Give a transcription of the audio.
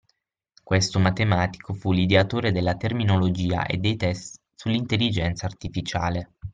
Questo matematico fu l'ideatore della terminologia e dei test sull'Intelligenza Artificiale